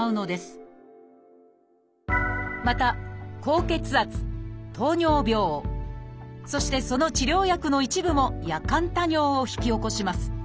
また高血圧・糖尿病そしてその治療薬の一部も夜間多尿を引き起こします。